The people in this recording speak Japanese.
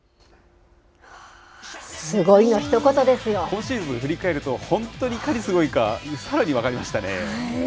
今シーズン、振り返ると、本当にいかにすごいか、さらに分かりましたね。